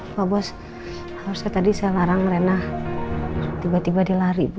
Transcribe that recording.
pak bos harusnya tadi saya larang renah tiba tiba dilari bu